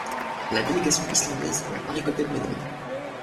La délégation islandaise n'a pas récolté de médaille.